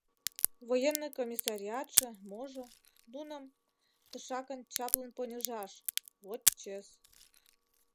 — Военный комиссариатше-можо, нуным тышакын чаплын поньыжаш, вот чес...